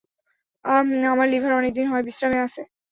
আমার লিভার অনেক দিন হয় বিশ্রামে আছে।